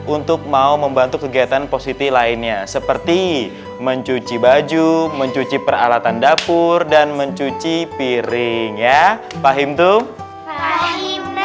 untuk mau membantu kegiatan positif lainnya seperti mencuci baju mencuci peralatan dapur dan mencuci piring ya pak himtom